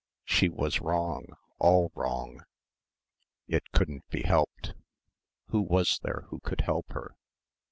She was wrong all wrong. It couldn't be helped. Who was there who could help her?